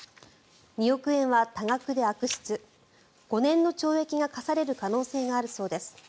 ２億円は多額で悪質５年の懲役が科される可能性があるそうです。